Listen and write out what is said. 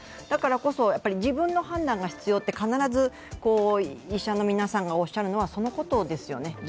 だからこそ、自分の判断が必要とかならず医者の皆さんがおっしゃるのは、そのことですよね。